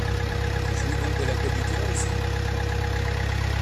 Tu jouis donc de la paix du cœur ici ?